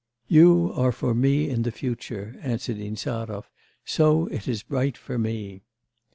'You are for me in the future,' answered Insarov, 'so it is bright for me.